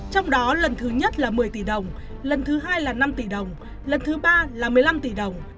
trong đó lần thứ nhất là một mươi tỷ đồng lần thứ hai là năm tỷ đồng lần thứ ba là một mươi năm tỷ đồng